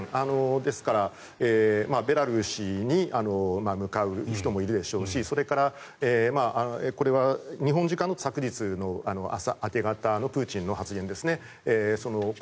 ですから、ベラルーシに向かう人もいるでしょうしそれからこれは日本時間の昨日の明け方のプーチンの発言ですね。